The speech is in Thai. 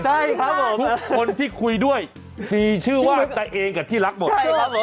ทุกคนที่คุยด้วยมีชื่อว่าแต่เองกับที่รักหมด